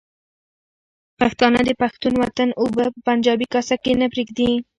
پښتانه د پښتون وطن اوبه په پنجابي کاسه کې نه پرېږدي.